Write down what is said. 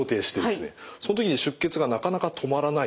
その時に出血がなかなか止まらない。